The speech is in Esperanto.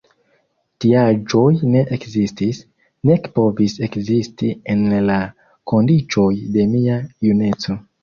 Tiaĵoj ne ekzistis, nek povis ekzisti en la kondiĉoj de mia juneco.